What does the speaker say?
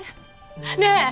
ねえ！